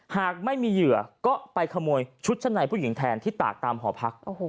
หากไม่มีเหยื่อก็ไปขโมยชุดชั้นในผู้หญิงแทนที่ตากตามหอพัก